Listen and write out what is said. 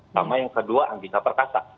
sama yang kedua angka perkasa